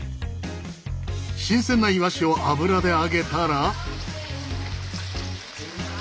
新鮮なイワシを油で揚げたら。